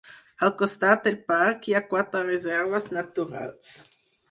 Al costat del parc hi ha quatre reserves naturals.